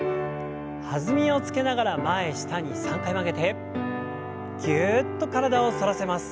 弾みをつけながら前下に３回曲げてぎゅっと体を反らせます。